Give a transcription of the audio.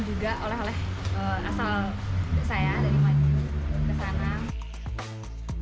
juga oleh oleh asal saya dari maju ke sana